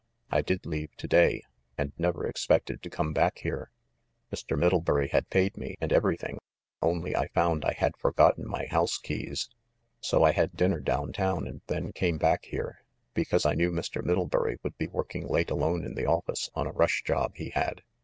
I did leave to day, and never ex pected to come back here. Mr. Middlebury had paid me, and everything, only I found I had forgotten my house keys. So I had dinner down town and then came back here, because I knew Mr. Middlebury would be working late alone in the office on a rush job he had.